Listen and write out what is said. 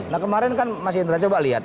nah kemarin kan mas indra coba lihat